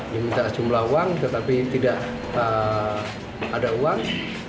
diminta sejumlah uang tetapi tidak ada uang